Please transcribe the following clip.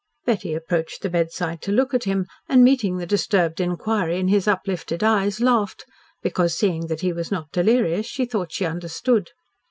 Betty approached the bedside to look at him, and meeting the disturbed inquiry in his uplifted eyes, laughed, because, seeing that he was not delirious, she thought she understood.